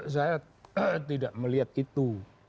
saya tidak melihat itu